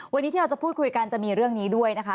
วันนี้ที่เราจะพูดคุยกันจะมีเรื่องนี้ด้วยนะคะ